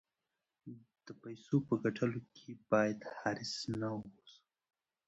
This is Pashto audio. د پیسو په ګټلو کې باید حریص نه اوسو.